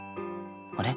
あれ？